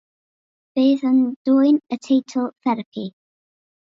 Bydd yn dwyn y teitl "Therapi".